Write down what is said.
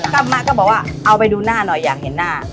กลับมาก็บอกว่าเอาไปดูหน้าหน่อยอยากเห็นหน้า